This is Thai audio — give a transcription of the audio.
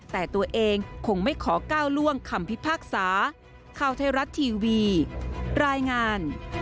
แต่ตัวเองคงไม่ขอก้าวล่วงคำพิพากษา